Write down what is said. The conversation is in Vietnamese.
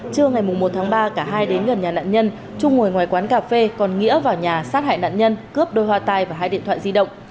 trưa ngày một tháng ba cả hai đến gần nhà nạn nhân trung ngồi ngoài quán cà phê còn nghĩa vào nhà sát hại nạn nhân cướp đôi hoa tai và hai điện thoại di động